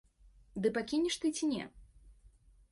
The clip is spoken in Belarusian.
Ды пакінеш ты ці не?